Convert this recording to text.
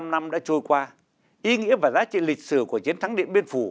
bảy mươi năm năm đã trôi qua ý nghĩa và giá trị lịch sử của chiến thắng điện biên phủ